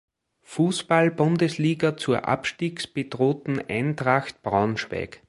Fußball-Bundesliga zur abstiegsbedrohten Eintracht Braunschweig.